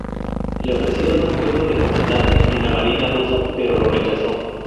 Le ofrecieron un puesto de comandante en la marina rusa pero lo rechazó.